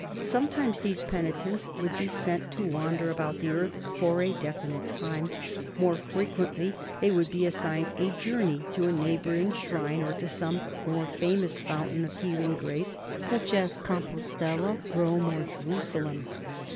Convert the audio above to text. Sometimes these peni tents would be sent to wander about the earth fora defi nite time, more frequently they would be assigned a journey to a neighboring shrine or to some more famous fountain of healing grace, such as Compostela, Rome, or Jerusalem.